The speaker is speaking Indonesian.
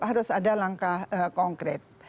harus ada langkah konkret